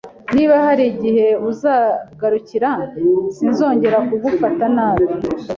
Niba hari igihe uzangarukira, sinzongera kugufata nabi.